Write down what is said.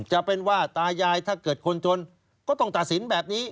จะเป็นว่าตายายถ้าเกิดคนจนก็ต้องตัดสินแบบนี้